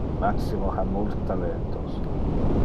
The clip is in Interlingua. Maximo ha multe talentos.